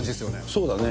そうだね。